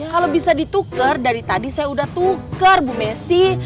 kalau bisa dituker dari tadi saya udah tuker bu mesi